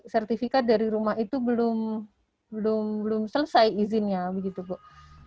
sertifikat dari rumah itu belum selesai izinnya begitu bu